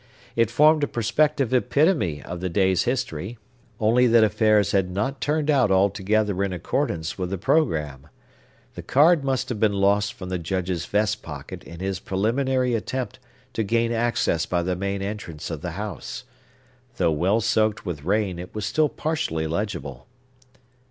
It formed a prospective epitome of the day's history; only that affairs had not turned out altogether in accordance with the programme. The card must have been lost from the Judge's vest pocket in his preliminary attempt to gain access by the main entrance of the house. Though well soaked with rain, it was still partially legible.